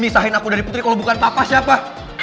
nisahin aku dari putri kalo bukan papa siapa